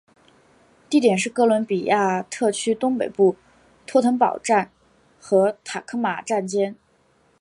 地点是哥伦比亚特区东北部托腾堡站和塔科马站间。